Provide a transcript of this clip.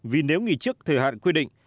vì nếu nghỉ trước thời hạn quy định